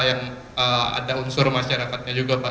yang ada unsur masyarakatnya juga pak